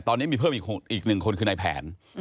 ตอนนี้มีเพิ่มอีกหนึ่งคนคือนายแผน